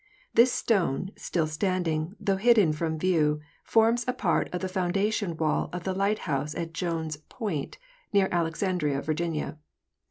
This stone, still standing, though hidden from view, forms a part of the foundation wall of the lighthouse at Jones point, near Alexandria, Virginia.